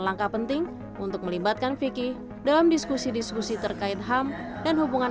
langkah penting untuk melibatkan fikih dalam diskusi diskusi terkait ham dan hubungan